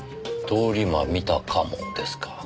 「通り魔見たかも」ですか。